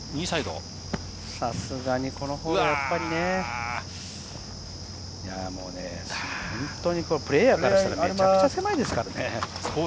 さすがにこのホールはやっぱりね、本当にプレーヤーからしたら、めちゃくちゃ狭いですからね。